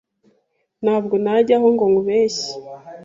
Ntabwo najyaho ngo nkubeshye